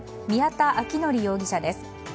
宮田明典容疑者です。